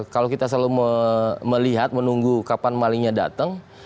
kalau kita selalu melihat menunggu kapan malingnya datang